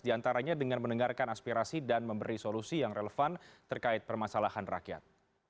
diantaranya dengan mendengarkan aspirasi dan memberi solusi yang relevan terkait permasalahan rakyat